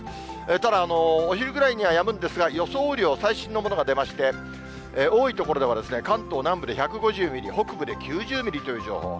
ただ、お昼ぐらいにはやむんですが、予想雨量、最新のものが出まして、多い所では、関東南部で１５０ミリ、北部で９０ミリという情報。